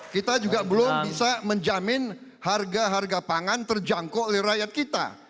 kita juga belum bisa menjamin harga harga pangan terjangkau oleh rakyat kita